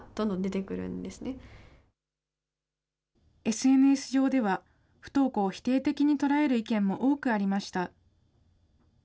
ＳＮＳ上では、不登校を否定的に捉える意見も多くありました。